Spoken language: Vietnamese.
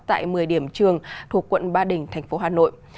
tại một mươi điểm trường thuộc quận ba đình thành phố hà nội